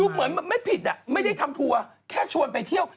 เหมือนมันไม่ผิดอ่ะไม่ได้ทำทัวร์แค่ชวนไปเที่ยว